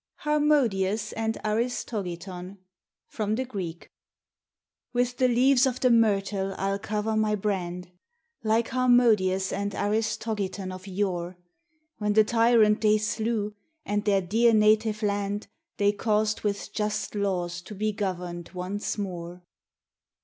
HARMODIUS AND ARISTOGITON From the Greek With the leaves of the myrtle I'll cover my brand, Like Harmodius and Aristogiton of yore; When the tyrant they slew, and their dear native land They caused with just laws to be governed once more.